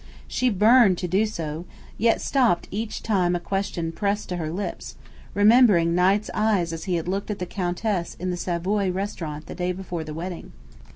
She burned to do so, yet stopped each time a question pressed to her lips, remembering Knight's eyes as he had looked at the Countess in the Savoy restaurant the day before the wedding.